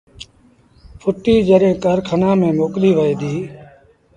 ڦُٽيٚ جڏهيݩ کآرکآݩآݩ ميݩ موڪليٚ وهي ديٚ